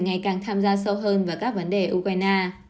ngày càng tham gia sâu hơn vào các vấn đề ukraine